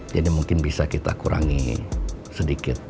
jadi mungkin bisa kita kurangi sedikit